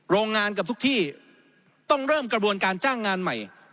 โรงงานกับทุกที่ต้องเริ่มกระบวนการจ้างงานใหม่